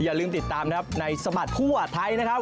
อย่าลืมติดตามนะครับในสมัครทั่วไทยนะครับ